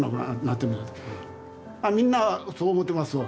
みんなそう思ってますわ。